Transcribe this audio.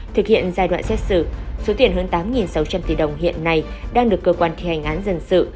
thực hiện giai đoạn xét xử số tiền hơn tám sáu trăm linh tỷ đồng hiện nay đang được cơ quan thi hành án dân sự